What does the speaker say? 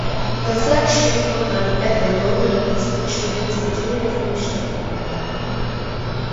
The flagship program at the Rowland Institute is the Junior Fellowship.